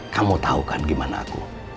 kamu tahu kan gimana aku